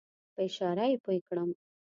په اشاره یې پوی کړم.